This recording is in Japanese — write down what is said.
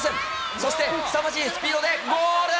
そしてすさまじいスピードでゴール。